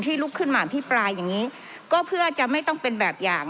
ลุกขึ้นมาอภิปรายอย่างนี้ก็เพื่อจะไม่ต้องเป็นแบบอย่าง